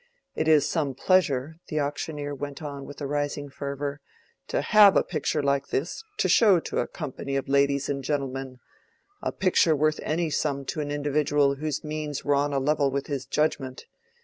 It is some pleasure," the auctioneer went on with a rising fervor, "to have a picture like this to show to a company of ladies and gentlemen—a picture worth any sum to an individual whose means were on a level with his judgment.